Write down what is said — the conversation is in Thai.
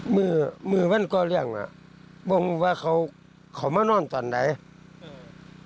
มือมันก็เรียงนะบอกมึงว่าเขามานอนตอนไหน